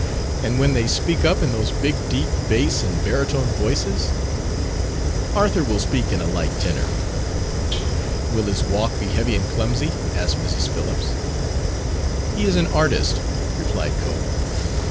And when they speak up in those big deep bass and baritone voices...!" "Arthur will speak in a light tenor." "Will his walk be heavy and clumsy?" asked Mrs. Phillips. "He is an artist," replied Cope.